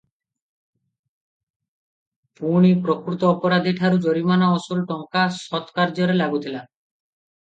ପୁଣି ପ୍ରକୃତ ଅପରାଧୀ ଠାରୁ ଜରିମାନା ଅସୁଲ ଟଙ୍କା ସତ୍କାର୍ଯ୍ୟରେ ଲାଗୁଥିଲା ।